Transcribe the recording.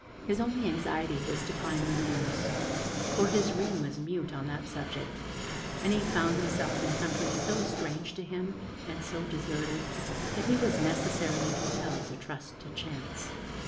His only anxiety was to find Lumineuse; for his ring was mute on that subject, and he found himself in a country so strange to him, and so deserted, that he was necessarily compelled to trust to chance.